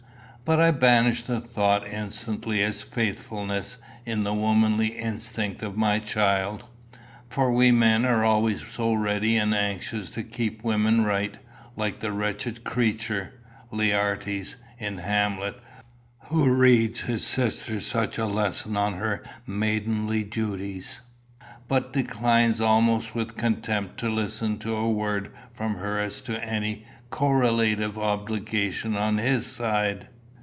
But I banished the doubt instantly as faithlessness in the womanly instincts of my child. For we men are always so ready and anxious to keep women right, like the wretched creature, Laertes, in Hamlet, who reads his sister such a lesson on her maidenly duties, but declines almost with contempt to listen to a word from her as to any co relative obligation on his side!